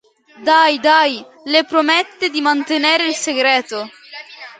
Dai Dai le promette di mantenere il segreto.